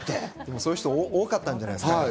そういう人多かったんじゃないですか？